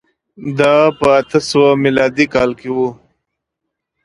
دا په اتو سوه میلادي کال کې و